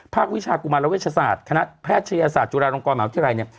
ภาควิชากุมรวชศาสตร์ขนาดแพทยศาสตร์จุฬารงกรหม่าวิทยาลัย